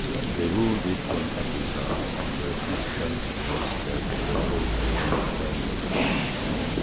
They ruled it from Africa, and the consequence was that their hold upon Spain was weak.